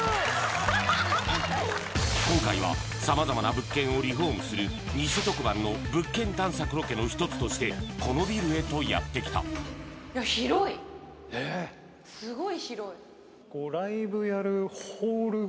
今回は様々な物件をリフォームする偽特番の物件探索ロケの一つとしてこのビルへとやってきたそんなですか？